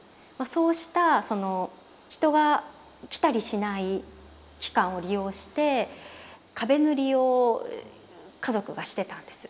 そうしたその人が来たりしない期間を利用して壁塗りを家族がしてたんです。